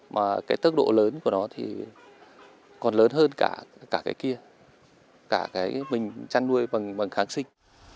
mà cái tốc độ lớn của nó thì còn lớn hơn cả cái kia cả cái mình chăn nuôi bằng kháng sinh